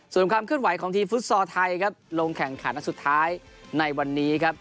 ส่วนความเคลื่อนไหวของทีมฟุตซอลไทยครับลงแข่งขันสุดท้ายในวันนี้ครับ